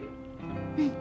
うん。